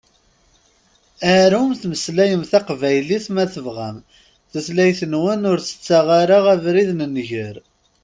Arum temmeslayem taqbaylit ma tebɣam, tutlayt-nwen, ur tettaɣ ara abrid n nnger.